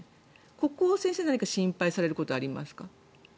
ここを先生は何か心配されることはありますか？